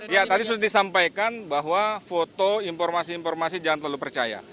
ya tadi sudah disampaikan bahwa foto informasi informasi jangan terlalu percaya